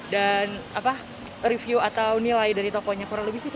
dan review atau nilai dari tokonya